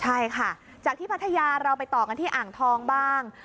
ใช่ค่ะจากที่พัทยาเราไปต่อกันที่อ่างทองบ้าง